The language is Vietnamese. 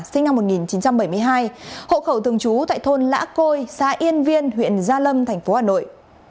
sinh năm một nghìn chín trăm bảy mươi hai hộ khẩu thường trú tại thôn lã côi xã yên viên huyện gia lâm thành phố hà nội